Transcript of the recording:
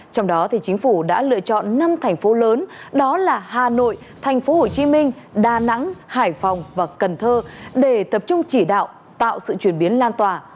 trong đó chính phủ đã lựa chọn năm thành phố lớn đó là hà nội thành phố hồ chí minh đà nẵng hải phòng và cần thơ để tập trung chỉ đạo tạo sự chuyển biến lan tỏa